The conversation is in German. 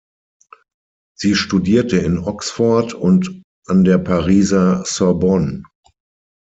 Sie studierte in Oxford und an der Pariser Sorbonne.